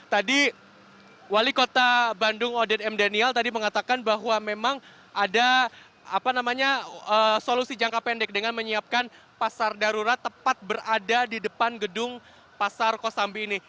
tadi wali kota bandung odet m daniel tadi mengatakan bahwa memang ada solusi jangka pendek dengan menyiapkan pasar darurat tepat berada di depan gedung pasar kosambi ini